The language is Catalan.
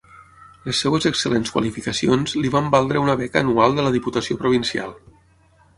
Les seves excel·lents qualificacions li van valdre una beca anual de la Diputació Provincial.